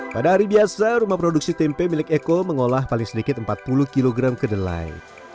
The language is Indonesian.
pada hari biasa rumah produksi tempe milik eko mengolah paling sedikit empat puluh kg kedelai